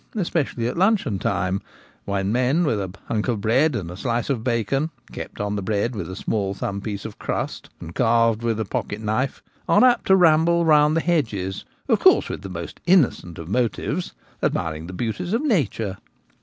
espe cially at luncheon time, when men with a hunch of Watching Labourers. 1 69 bread and a slice of bacon — kept on the bread with a small thumb piece of crust, and carved with a pocket knife — are apt to ramble round the hedges, of course with the most innocent of motives, admiring the beau ties of nature.